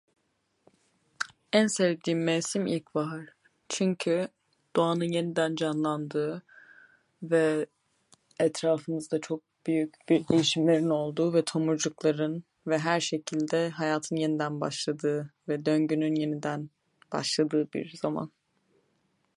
En sevdiğim mevsim ilkbahar, çünkü doğanın yeniden canlandığı ve etrafımızda çok büyük büyük değişimlerin olduğu ve tomurcukların ve her şekilde hayatın yeniden başladığı ve döngünün yeniden başladığı bir zaman.